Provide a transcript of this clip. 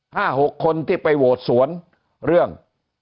หกคนที่ไปโหวตสวนเรื่อง